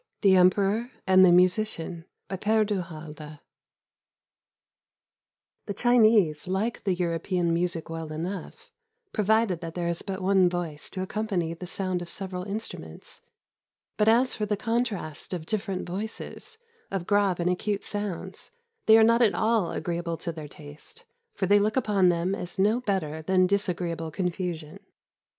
THE EMPEROR AND THE MUSICIAN BY PkRE DU HALDE The Chinese like the European music well enough, pro vided that there is but one voice to accompany the sound of several instnmients. But as for the contrast of different voices, of grave and acute sounds, they are not at all agreeable to their taste, for they look upon them as no better than disagreeable confusion.